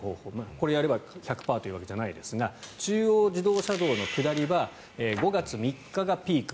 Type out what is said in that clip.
これをやれば１００％というわけじゃないですが中央自動車道の下りは５月３日がピーク。